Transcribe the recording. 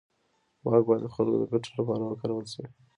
واک باید د خلکو د ګټو لپاره وکارول شي.